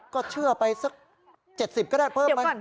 ก็เชื่อไปสัก๗๐ก็ได้เพิ่มไหม